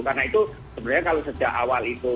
karena itu sebenarnya kalau sejak awal itu